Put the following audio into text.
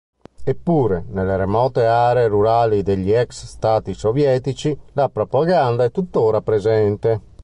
Eppure, nelle remote aree rurali degli ex Stati sovietici, la propaganda è tuttora presente.